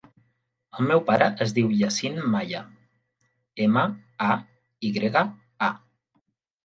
El meu pare es diu Yassin Maya: ema, a, i grega, a.